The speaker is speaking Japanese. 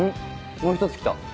もう一つ来た。